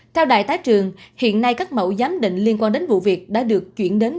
theo đại tá trường hiện nay các mẫu giám định liên quan đến vụ việc đã được chuyển đến